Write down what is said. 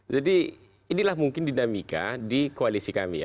jadi inilah mungkin dinamika di koalisi kami ya